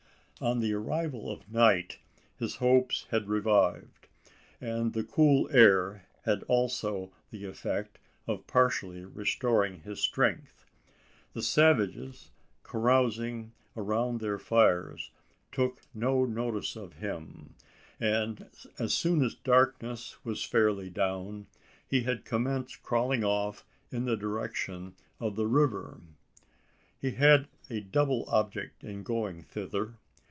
On the arrival of night, his hopes had revived; and the cool air had also the effect of partially restoring his strength. The savages, carousing around their fires, took no notice of him; and, as soon as darkness was fairly down, he had commenced crawling off in the direction of the river. He had a double object in going thither.